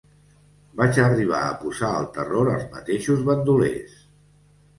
Vaig arribar a posar el terror als mateixos bandolers.